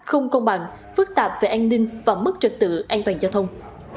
không công bằng phức tạp về an ninh và mức trật tự an toàn giao thông